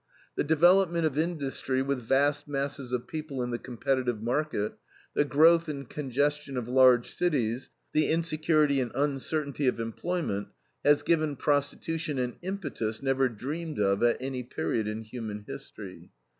The development of industry with vast masses of people in the competitive market, the growth and congestion of large cities, the insecurity and uncertainty of employment, has given prostitution an impetus never dreamed of at any period in human history."